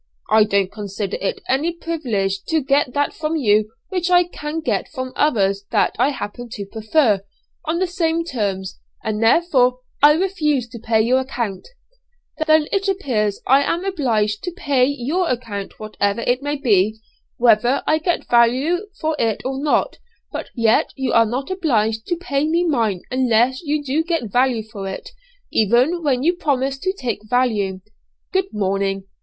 'I don't consider it any privilege to get that from you which I can get from others that I happen to prefer, on the same terms, and therefore I refuse to pay your account.' 'Then, it appears, I am obliged to pay your account whatever it may be, whether I get value for it or not, but yet you are not obliged to pay me mine unless you do get value for it, even when you promise to take value. Good morning.'